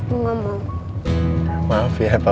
kita ke rumah sakit sekarang ya